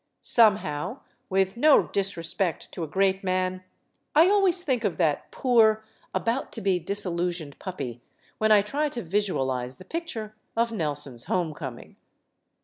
Somehow with no disrespect to a great man I always think of that poor, about to be disillusioned puppy when I try to visualize the picture of Nelson's home coming.